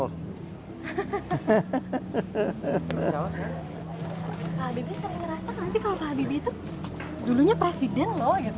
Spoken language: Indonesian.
pak habibie sering ngerasa gak sih kalau pak habibie itu dulunya presiden loh